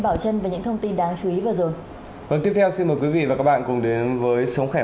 bảo trân về những thông tin đáng chú ý và rồi tiếp theo xin mời quý vị và các bạn cùng đến với sống khỏe